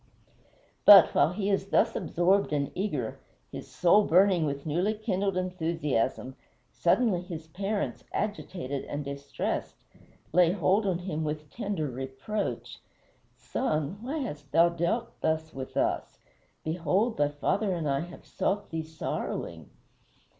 But, while he is thus absorbed and eager, his soul burning with newly kindled enthusiasm, suddenly his parents, agitated and distressed, lay hold on him with tender reproach: "Son, why hast thou thus dealt with us? Behold, thy father and I have sought thee sorrowing."